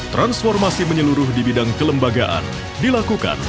transformasi menyeluruh di bidang kelembagaan dilakukan